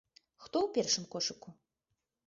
Хто ў першым кошыку?